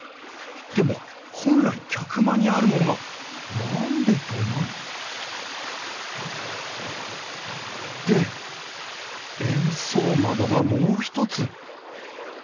でも本来客間にあるものが何で土間に？で円相窓がもう一つ。